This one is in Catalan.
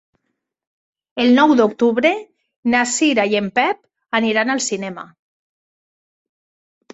El nou d'octubre na Cira i en Pep aniran al cinema.